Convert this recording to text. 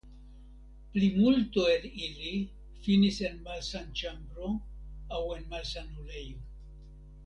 Plimulto el ili finis en malsanĉambro aŭ en malsanulejo.